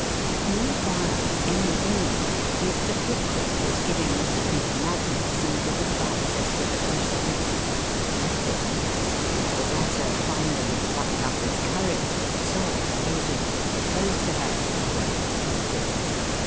Meanwhile, in the inn, Mr. Pickwick was giving Mr. Peter Magnus some good advice as to the best method of proposing. The latter finally plucked up his courage, saw the lady, proposed to her, and was accepted.